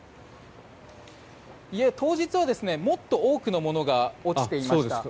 当日はもっと多くのものが落ちていました。